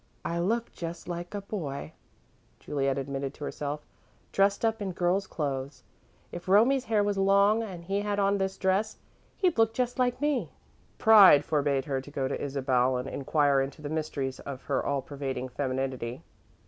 "I look just like a boy," Juliet admitted to herself, "dressed up in girl's clothes. If Romie's hair was long, and he had on this dress, he'd look just like me." Pride forbade her to go to Isabel and inquire into the mysteries of her all pervading femininity.